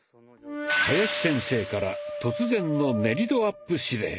林先生から突然の「練り度アップ」指令。